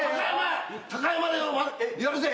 高山でやるぜ。